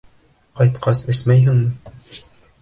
— Ҡайтҡас, эсмәйһеңме?